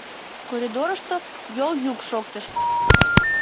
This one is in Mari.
Коридорышто йол йӱк шоктыш.